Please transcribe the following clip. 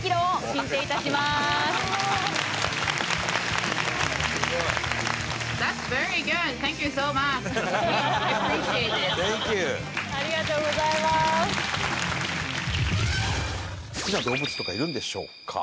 好きな動物とかいるんでしょうか